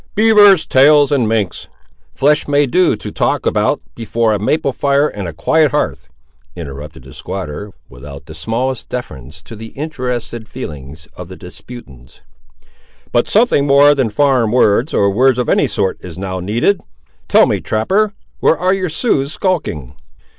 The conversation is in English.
"Beavers' tails and minks' flesh may do to talk about before a maple fire and a quiet hearth," interrupted the squatter, without the smallest deference to the interested feelings of the disputants; "but something more than foreign words, or words of any sort, is now needed. Tell me, trapper, where are your Siouxes skulking?"